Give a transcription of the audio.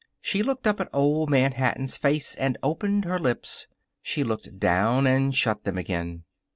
She looked up at Old Man Hatton's face and opened her lips. She looked down and shut them again.